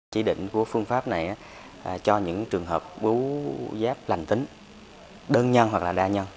chỉ định của phương pháp này cho những trường hợp bú giáp lành tính đơn nhân hoặc là đa nhân